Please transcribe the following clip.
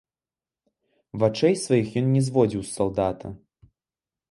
Вачэй сваіх ён не зводзіў з салдата.